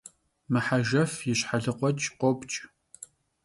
Mıhejjef yi şhelıkhueç' khopç'.